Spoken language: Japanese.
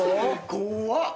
怖っ。